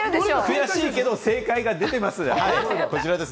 悔しいけれども正解が出てます。